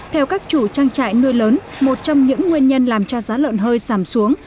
theo các chủ trang trại nuôi lớn một trong những nguyên nhân làm cho giá lợn hơi giảm xuống